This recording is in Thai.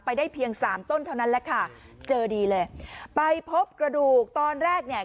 ได้เพียงสามต้นเท่านั้นแหละค่ะเจอดีเลยไปพบกระดูกตอนแรกเนี่ย